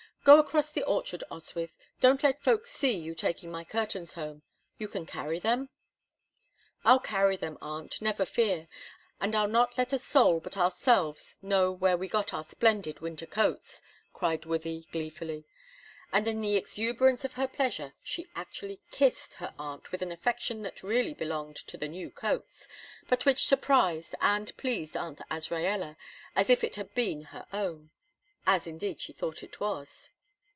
Go across the orchard, Oswyth; don't let folks see you taking my curtains home. Can you carry them?" "I'll carry them, aunt; never fear, and I'll not let a soul but ourselves know where we got our splendid winter coats," cried Wythie, gleefully. And in the exuberance of her pleasure she actually kissed her aunt with an affection that really belonged to the new coats, but which surprised and pleased Aunt Azraella as if it had been her own as indeed she thought it was.